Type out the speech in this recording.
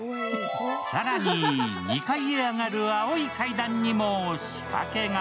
更に２階へ上がる青い階段にも仕掛けが。